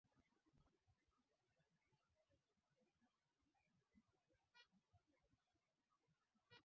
ninataka hata nifanikiwe ili nipate mimi mbele anakua ni yeye